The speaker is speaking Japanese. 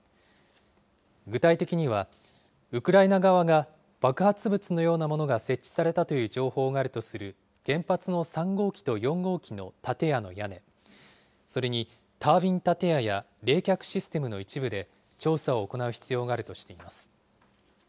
具体的には、ウクライナ側が爆発物のようなものが設置されたという情報があるとする原発の３号機と４号機の建屋の屋根、それにタービン建屋や冷却システムの一部で、調査を行う必要があるとしています。